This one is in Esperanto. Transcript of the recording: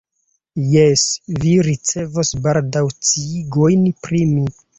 Jes, vi ricevos baldaŭ sciigojn pri mi.